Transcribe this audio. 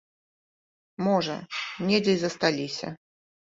Можа, недзе і засталіся.